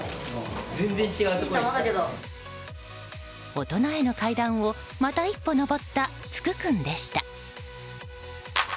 大人への階段をまた一歩上った福君でした。